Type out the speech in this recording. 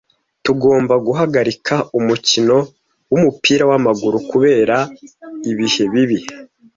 Tugomba guhagarika umukino wumupira wamaguru kubera ibihe bibi.